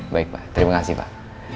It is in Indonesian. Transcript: baik pak terima kasih pak